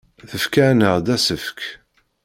Tefka-aneɣ-d asefk.